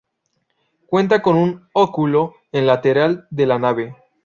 Cuenta con un óculo en lateral de la nave.